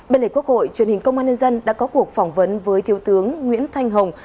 bên lề quốc hội truyền hình công an nhân dân đã có cuộc phỏng vấn với thiếu tướng nguyễn thanh hồng